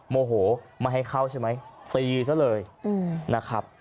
โมโหไม่ให้เข้าใช่ไหมตีซะเลยนะครับ